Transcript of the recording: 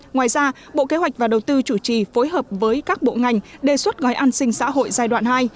ngoài ra bộ kế hoạch và đầu tư chủ trì phối hợp với các bộ ngành đề xuất gói an sinh xã hội giai đoạn hai